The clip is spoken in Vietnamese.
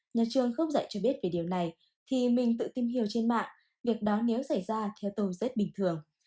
nhà trường không dạy chưa biết về điều này thì mình tự tìm hiểu trên mạng việc đó nếu xảy ra theo tôi rất bình thường